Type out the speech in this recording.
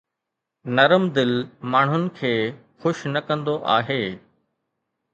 نرم دل ماڻهن کي خوش نه ڪندو آهي